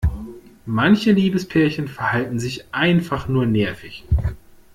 Manche Liebespärchen verhalten sich einfach nur nervig.